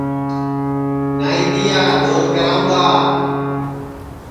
نائی تیا دؔوت کراوں گا